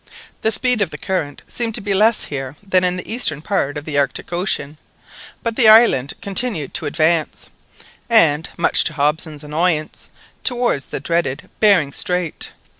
The speed of the current seemed to be less here than in the eastern part of the Arctic Ocean, but the island continued to advance, and, much to Hobson's annoyance, towards the dreaded Behring Strait.